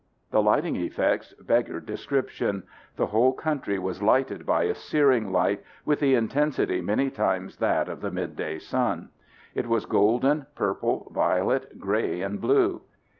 The lighting effects beggared description. The whole country was lighted by a searing light with the intensity many times that of the midday sun. It was golden, purple, violet, gray, and blue.